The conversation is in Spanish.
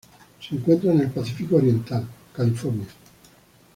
Se encuentra en el Pacífico oriental: California.